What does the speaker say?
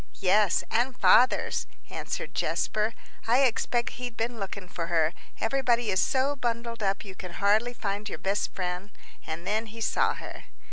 "Yes, and father's," answered Jasper. "I expect he'd been looking for her; everybody is so bundled up you can hardly find your best friend. And then he saw her."